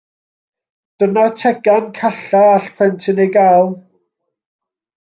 Dyna'r tegan calla all plentyn ei gael.